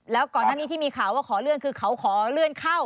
แล้วก่อนหน้านี้ที่มีข่าวว่าขอเลื่อนคือเขาขอเลื่อนเข้า